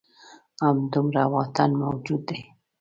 همدومره واټن موجود دی.